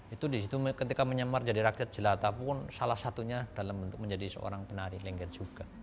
itu disitu ketika menyamar jadi rakyat jelata pun salah satunya dalam bentuk menjadi seorang penari lengket juga